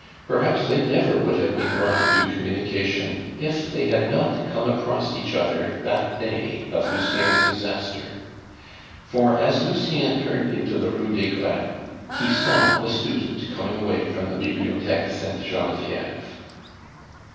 Perhaps they never would have been brought into communication if they had not come across each other that day of Lucien's disaster; for as Lucien turned into the Rue des Gres, he saw the student coming away from the Bibliotheque Sainte Genevieve.